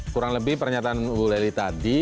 kurang lebih pernyataan bu lely tadi